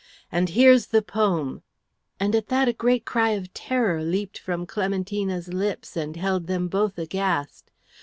And here's the poem!" and at that a great cry of terror leaped from Clementina's lips and held them both aghast.